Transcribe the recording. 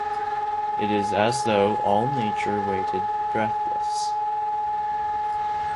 It is as though all Nature waited breathless.